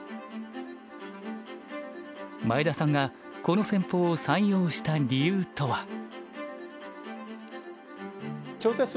前田さんがこの戦法を採用した理由とは？